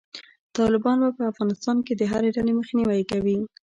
طالبان به په افغانستان کې د هري ډلې مخنیوی کوي.